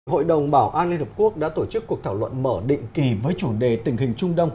hội đồng bảo an liên hợp quốc đã tổ chức cuộc thảo luận mở định kỳ với chủ đề tình hình trung đông